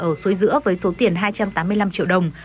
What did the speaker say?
ở suối giữa với số tiền hai trăm tám mươi năm triệu đồng